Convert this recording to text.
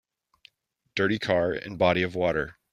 Dirty car in body of water